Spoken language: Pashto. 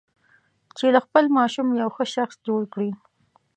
چې له خپل ماشوم یو ښه شخص جوړ کړي.